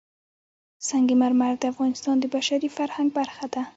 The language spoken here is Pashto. سنگ مرمر د افغانستان د بشري فرهنګ برخه ده.